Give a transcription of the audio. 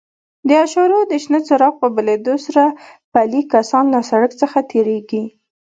د اشارو د شنه څراغ په بلېدو سره پلي کسان له سړک څخه تېرېږي.